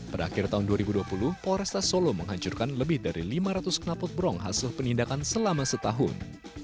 pada akhir tahun dua ribu dua puluh polresta solo menghancurkan lebih dari lima ratus kenalpot brong hasil penindakan selama setahun